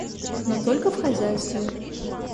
Но только в хозяйстве.